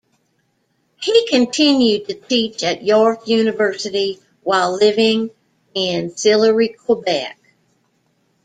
He continued to teach at York University, while living in Sillery, Quebec.